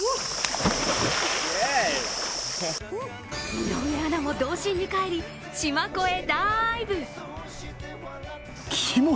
井上アナも童心に返り、四万湖へダイブ。